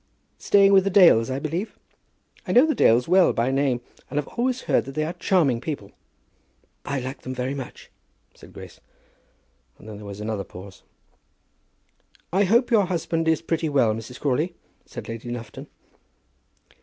"Staying with the Dales, I believe? I know the Dales well by name, and I have always heard that they are charming people." "I like them very much," said Grace. And then there was another pause. "I hope your husband is pretty well, Mrs. Crawley?" said Lady Lufton.